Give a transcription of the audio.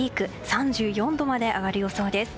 ３４度まで上がる予想です。